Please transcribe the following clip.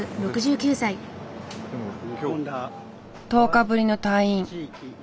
１０日ぶりの退院。